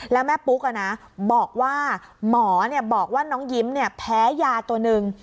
แล้วแม่ปุ๊กบอกว่าหมอบอกว่าน้องยิ้มแพ้ยาตัวหนึ่ง